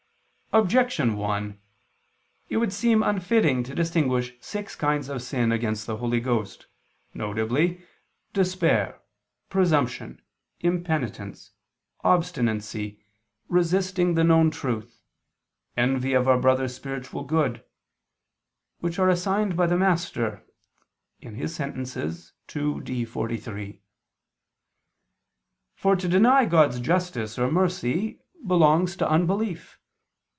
Objection 1: It would seem unfitting to distinguish six kinds of sin against the Holy Ghost, viz. despair, presumption, impenitence, obstinacy, resisting the known truth, envy of our brother's spiritual good, which are assigned by the Master (Sent. ii, D, 43). For to deny God's justice or mercy belongs to unbelief.